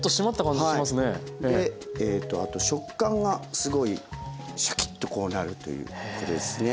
あと食感がすごいシャキッとこうなるということですね。